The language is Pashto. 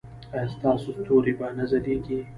ایا ستاسو ستوري به نه ځلیږي؟